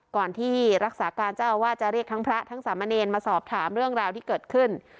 ก่อนที่รักษาการเจ้าอาวาสจะเรียกทั้งพระทั้งสามเณรมาสอบถามเรื่องราวที่เกิดขึ้น